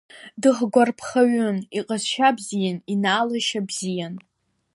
Дыхгәарԥхаҩын, иҟазшьа бзиан, инаалашьа бзиан.